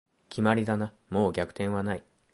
決まりだな、もう逆転はない